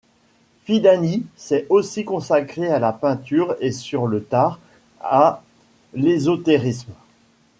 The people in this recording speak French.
Fidani s'est aussi consacré à la peinture et sur le tard, à l'ésotérisme.